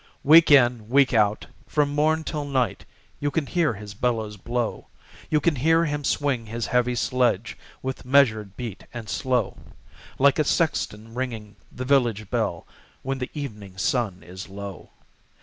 Week in, week out, from morn till night, You can hear his bellows blow; You can hear him swing his heavy sledge, With measured beat and slow, Like a sexton ringing the village bell, When the evening sun is low.